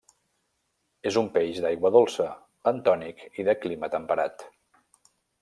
És un peix d'aigua dolça, bentònic i de clima temperat.